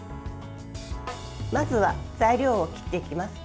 まずは材料を切っていきます。